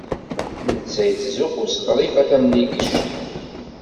Netta yettzuxxu s Ḍrifa Tamlikect.